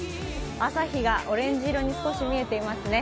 朝日がオレンジ色に少し見えていますね。